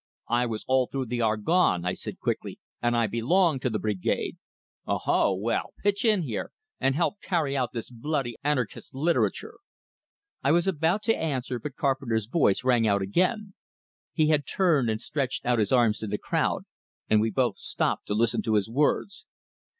"I was all through the Argonne," I said quickly. "And I belong to the Brigade." "Oh ho! Well, pitch in here, and help carry out this bloody Arnychist literature!" I was about to answer, but Carpenter's voice rang out again. He had turned and stretched out his arms to the crowd, and we both stopped to listen to his words.